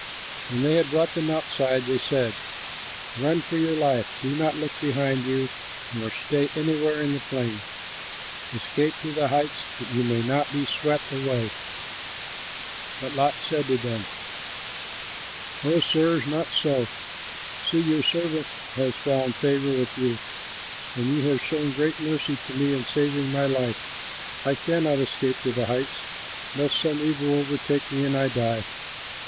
When they had brought them outside, they said, "Run for your life; do not look behind you nor stay anywhere in the plain. Escape to the heights, that you may not be swept away!" But Lot said to them, "Oh, sirs, not so! See, your servant has found favor with you, and you have shown great mercy to me in saving my life. I cannot escape to the heights, lest some evil overtake me, and I die.